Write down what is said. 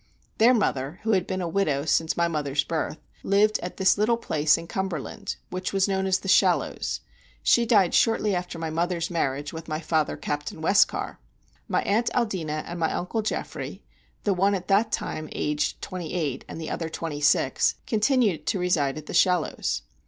Their mother (who had been a widow since my mother's birth) lived at this little place in Cumberland, and which was known as The Shallows; she died shortly after my mother's marriage with my father, Captain Westcar. My aunt Aldina and my uncle Geoffrey—the one at that time aged twenty eight, and the other twenty six—continued to reside at The Shallows.